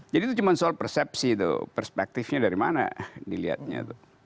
jadi itu cuma soal persepsi perspektifnya dari mana dilihatnya